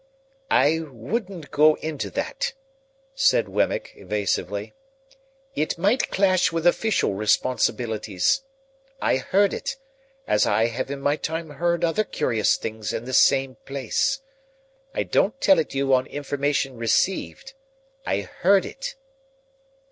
"I wouldn't go into that," said Wemmick, evasively, "it might clash with official responsibilities. I heard it, as I have in my time heard other curious things in the same place. I don't tell it you on information received. I heard it."